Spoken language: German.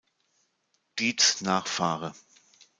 Dietz Nachf.